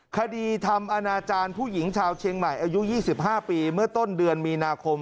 คดีทำอนาจารย์ผู้หญิงชาวเชียงใหม่อายุ๒๕ปีเมื่อต้นเดือนมีนาคม